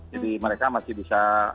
jadi mereka masih bisa